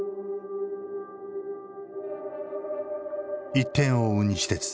１点を追う西鉄